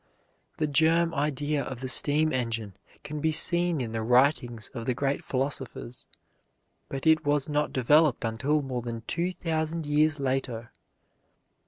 The germ idea of the steam engine can be seen in the writings of the Greek philosophers, but it was not developed until more than two thousand years later.